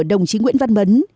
đồng chí nguyễn văn mấn